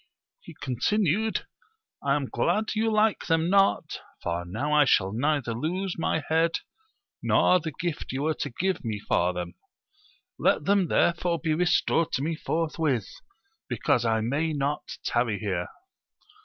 He continued, I am glad you like them not, for now I shall neither lose my head, nor the gift you were to give me for them : let them therefore be restored to me forth with, because I may not tarry here.